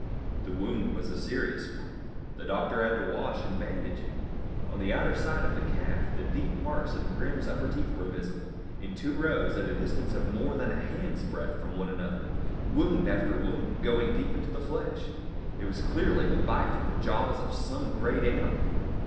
The wound was a serious one. The doctor had to wash and bandage it. On the outer side of the calf, the deep marks of Grim's upper teeth were visible, in two rows at a distance of more than a hand's breadth from one another, wound after wound, going deep into the flesh. It was clearly the bite from the jaws of some great animal.